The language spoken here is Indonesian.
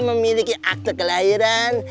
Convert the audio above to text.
memiliki akte kelahiran